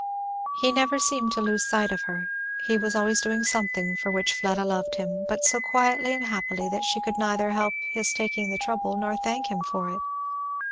He never seemed to lose sight of her. He was always doing something for which Fleda loved him, but so quietly and happily that she could neither help his taking the trouble nor thank him for it.